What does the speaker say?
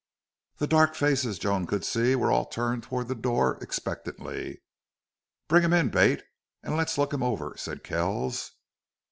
The dark faces Joan could see were all turned toward the door expectantly. "Bring him in, Bate, and let's look him over," said Kells.